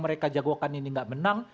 mereka jago kan ini tidak menang